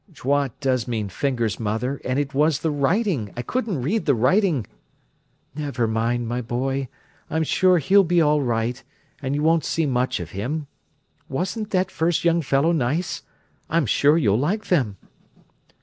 "'Doigts' does mean 'fingers', mother, and it was the writing. I couldn't read the writing." "Never mind, my boy. I'm sure he'll be all right, and you won't see much of him. Wasn't that first young fellow nice? I'm sure you'll like them."